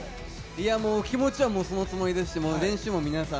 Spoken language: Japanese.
いやもう、気持ちはそのつもりですし、練習も皆さん